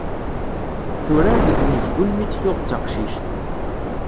Turar deg umezgun mi tt-tuɣ d taqcict.